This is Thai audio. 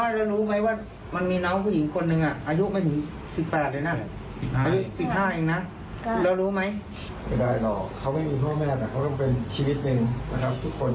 ดูบรรยากาศไว้ค่ะ